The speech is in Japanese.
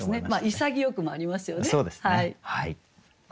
潔くもありますよね。